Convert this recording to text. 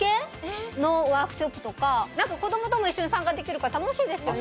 何か子供とも一緒に参加できるから楽しいですよね